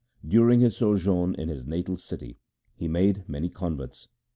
During his sojourn in his natal city he made many converts.